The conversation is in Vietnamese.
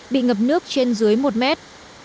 bị ngập nước trên dưới một mét